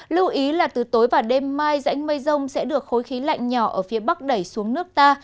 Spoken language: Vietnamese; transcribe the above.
lưu ý là từ tối và đêm mai rãnh mây rông sẽ được khối khí lạnh nhỏ ở phía bắc đẩy xuống nước ta